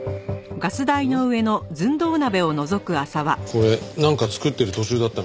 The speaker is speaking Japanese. これなんか作ってる途中だったのかな？